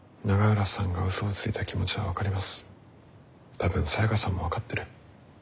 多分サヤカさんも分かってる。